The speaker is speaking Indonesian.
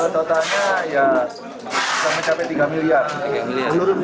totalnya ya sampai tiga miliar